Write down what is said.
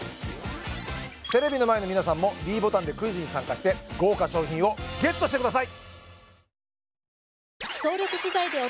テレビの前の皆さんもｄボタンでクイズに参加して豪華賞品をＧＥＴしてください！